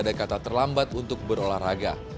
ada kata terlambat untuk berolahraga